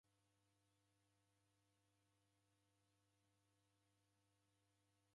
Mao wareda maghuw'a kufuma mbuwenyi